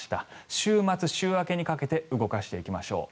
週末、週明けにかけて動かしていきましょう。